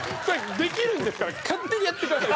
できるんですから勝手にやってください。